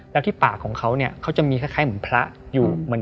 แล้วที่ปากของเขาเนี่ยเขาจะมีคล้ายเหมือนพระอยู่เหมือน